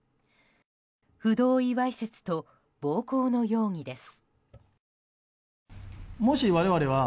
不同意わいせつと暴行の容疑です。